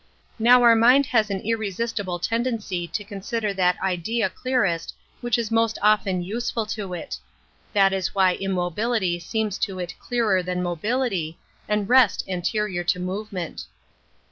Now our mind haa an irresistible tendency to consider that idea clearest which is most often useful to it. That is why immobility seems to it clearer than mobility, and rest anterior to movement.